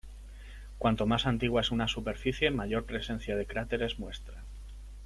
Cuanto más antigua es una superficie, mayor presencia de cráteres muestra.